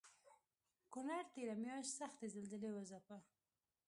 کونړ تېره مياشت سختې زلزلې وځپه